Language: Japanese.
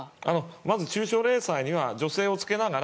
まず中小零細には助成をつけながら